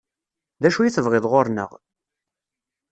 D acu i tebɣiḍ ɣur-neɣ?